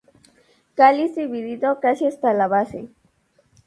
Cáliz dividido casi hasta la base.